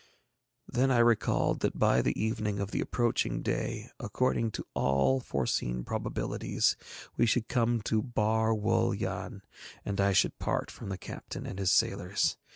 Then I recalled that by the evening of the approaching day, according to all foreseen probabilities, we should come to Bar Wul Yann, and I should part from the captain and his sailors.